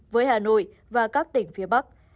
với hà nội và các tỉnh phía bắc